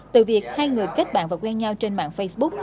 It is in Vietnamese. từ việc hai người kết bạn và quen nhau trên mạng facebook